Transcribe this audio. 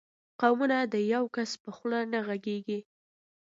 قومونه د یو کس په خوله نه غږېږي.